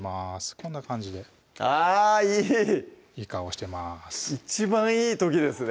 こんな感じであぁいい！いい顔してます一番いい時ですね